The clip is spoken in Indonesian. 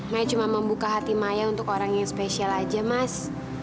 maya cuma membuka hati maya untuk orang yang spesial aja mas